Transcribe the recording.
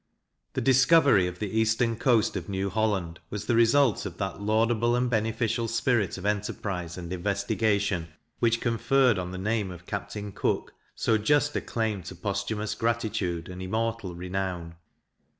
The discovery of the eastern coast of New Holland was the result of that laudable and beneficial spirit of enterprize and investigation, which conferred on the name of Captain Cook so just a claim to posthumous gratitude and immortal renown.